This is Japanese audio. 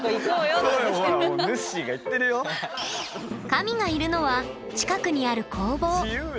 神がいるのは近くにある工房！